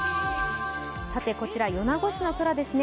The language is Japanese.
こちら、米子市の空ですね。